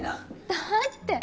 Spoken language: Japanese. だって